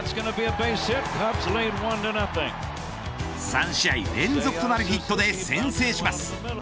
３試合連続となるヒットで先制します。